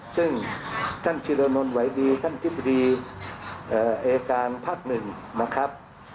ซึ่งท่านชิรนลไหวรีท่านทฤษฎีหกรแอบพรนะครับ